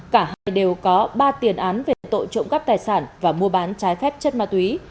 cả hai đều có ba tiền án về tội trộm cắp tài sản và mua bán trái phép chất ma túy